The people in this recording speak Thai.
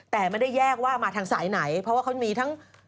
แต่ไม่ได้แยกว่ามาทางสายไหนเพราะว่าเขามีทั้ง